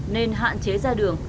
nên hạn chế ra đường